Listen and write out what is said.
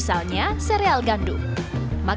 makanan yang beratnya seragam dan beratnya yang lebih baik